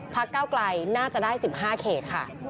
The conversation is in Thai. พักก้าวไกลน่าจะได้สิบห้าเขตค่ะ